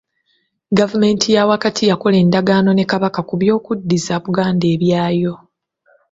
Gavumenti ya wakati yakola endagaano ne Kabaka ku by'okuddiza Buganda ebyayo.